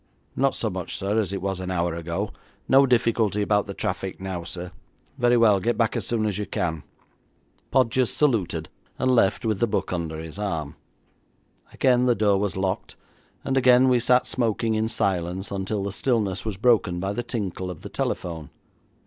'Not so much, sir, as it was an hour ago. No difficulty about the traffic now, sir.' 'Very well, get back as soon as you can.' Podgers saluted, and left with the book under his arm. Again the door was locked, and again we sat smoking in silence until the stillness was broken by the tinkle of the telephone.